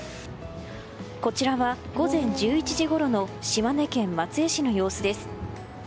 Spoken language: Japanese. こちらは午前１１時ごろの島根県松江市の様子です。